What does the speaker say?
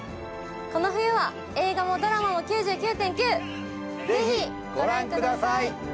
この冬は映画もドラマも「９９．９」ぜひご覧ください